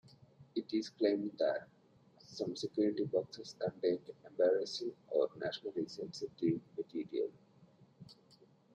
It is claimed that some security boxes contained embarrassing or nationally sensitive material.